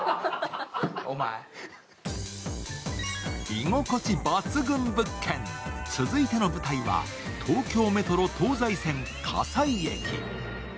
居心地抜群物件、続いての舞台は東京メトロ東西線・葛西駅。